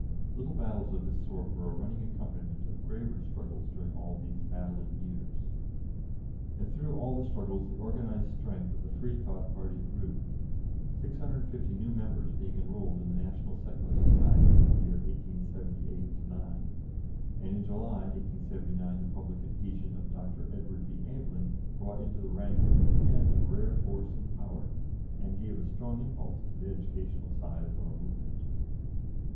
Little battles of this sort were a running accompaniment of graver struggles during all these battling years. And through all the struggles the organised strength of the Freethought party grew, 650 new members being enrolled in the National Secular Society in the year 1878 79, and in July, 1879, the public adhesion of Dr. Edward B. Aveling brought into the ranks a pen of rare force and power, and gave a strong impulse to the educational side of our movement.